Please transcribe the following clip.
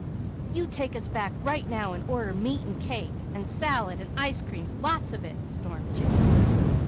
"You take us back right now, and order meat, and cake, and salad and ice cream, lots of it!" stormed James.